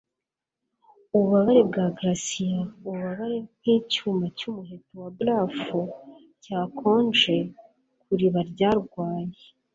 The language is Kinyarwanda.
Ububabare bwa glacial ububabare nkicyuma cyumuheto wa barafu cyakonje kuriba ryarwaye